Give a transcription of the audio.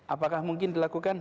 apakah mungkin dilakukan